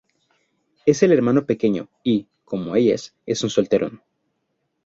Es el hermano pequeño y, como ellas, es un solterón.